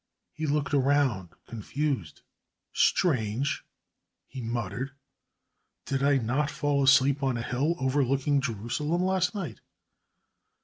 He looked around confused. "Strange," he muttered. "Did I not fall asleep on a hill overlooking Jerusalem last night?